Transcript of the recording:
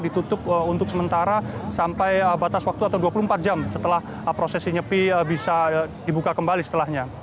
ditutup untuk sementara sampai batas waktu atau dua puluh empat jam setelah prosesi nyepi bisa dibuka kembali setelahnya